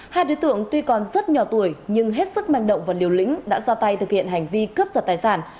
hai đối tượng tuy còn rất nhỏ tuổi nhưng hết sức manh động và liều lĩnh đã ra tay thực hiện hành vi cướp giật tài sản